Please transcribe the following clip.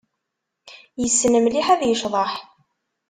Yessen mliḥ ad yecḍeḥ.